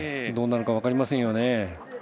どうなるか分かりませんよね。